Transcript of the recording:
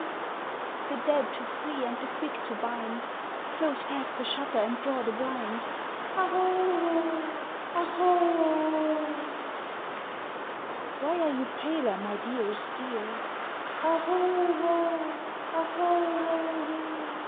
The dead to free and the quick to bind (Close fast the shutter and draw the blind!) "O hoho, O hoho o o!" Why are you paler my dearest dear? "O hoho, O hoho o o!"